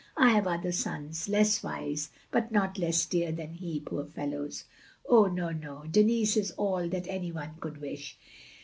" I have other sons, less wise, but not less dear than he, poor fellows. Oh no, no, Denis is all OF GROSVENOR SQUARE 369 that any one could wish.